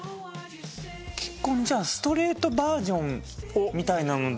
結構ストレートバージョンみたいなので。